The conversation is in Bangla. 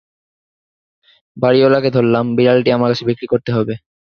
বাড়িঅলাকে ধরলাম, বিড়ালটি আমার কাছে বিক্রি করতে হবে।